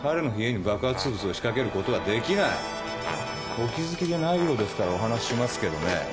お気付きでないようですからお話ししますけどねえ